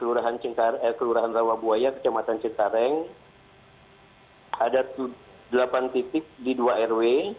di jakarta barat ada di kelurahan rawabuaya kecamatan cintareng ada delapan titik di dua rw